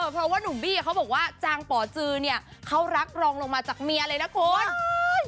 เพราะว่านุ่มบี้เขาบอกว่าจางป่อจือเนี่ยเขารักรองลงมาจากเมียเลยนะคุณ